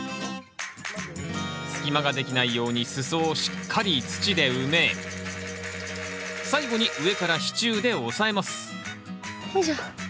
隙間ができないように裾をしっかり土で埋め最後に上から支柱で押さえますよいしょ。